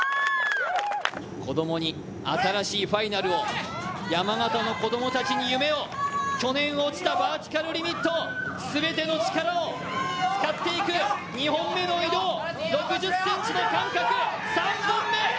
子供に新しいファイナルを、山形の子供たちに夢を去年落ちたバーティカルリミット全ての力を使っていく２本目の移動、６０ｃｍの間隔、３本目。